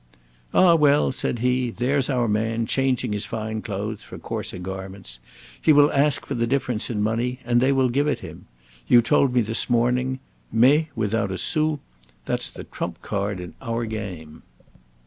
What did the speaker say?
"Ah, well," said he, "there's our man changing his fine clothes for coarser garments. He will ask for the difference in money; and they will give it him. You told me this morning: 'May without a sou' that's the trump card in our game!"